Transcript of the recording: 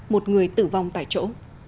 một người tử vong tại chỗ